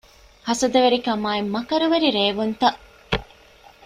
ހަސަދަވެރިކަމާއި މަކަރުވެރި ރޭވުންތައް